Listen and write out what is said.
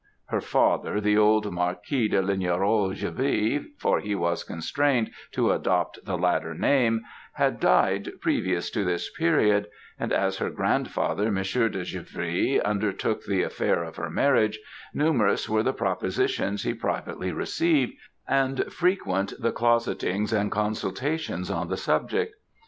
"Her father, the old Marquis de Lignerolles Givry for he was constrained to adopt the latter name had died previous to this period; and as her grandfather Monsieur de Givry undertook the affair of her marriage, numerous were the propositions he privately received, and frequent the closettings and consultations on the subject.